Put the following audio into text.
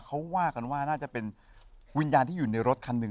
เขาว่ากันว่าน่าจะเป็นวิญญาณที่อยู่ในรถคันหนึ่ง